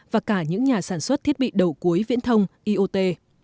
và cả những nhà sản xuất thiết bị đầu cuối viễn thông iot